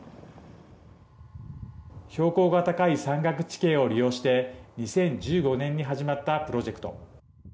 標高が高い山岳地形を利用して２０１５年に始まったプロジェクト。